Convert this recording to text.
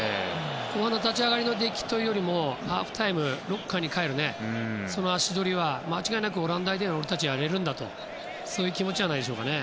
後半の立ち上がりの出来というよりもハーフタイムロッカーに帰る足取りは間違いなくオランダ相手に俺たちやれるんだというそういう気持ちじゃないですかね。